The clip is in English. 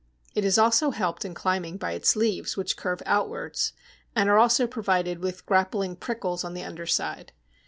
It is also helped in climbing by its leaves, which curve outwards, and are also provided with grappling prickles on the under side.